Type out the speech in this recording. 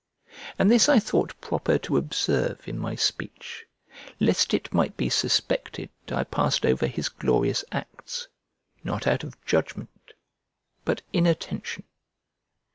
And this I thought proper to observe in my speech, lest it might be suspected I passed over his glorious acts, not out of judgment, but inattention.